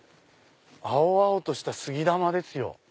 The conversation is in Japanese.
青々とした杉玉ですよ。